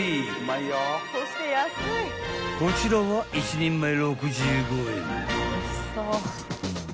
［こちらは１人前６５円］